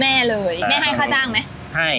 แม่เลยแม่ให้ค่าจ้างไหมให้